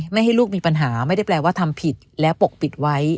ไม่ให้ลูกมีปัญหาไม่ได้แปลว่าทำผิดและปกปิดไว้